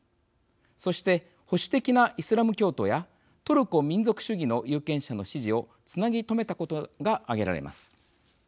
そして保守的なイスラム教徒やトルコ民族主義の有権者の支持をつなぎとめたことが挙げられます。